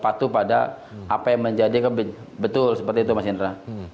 patuh pada apa yang menjadi betul seperti itu mas indra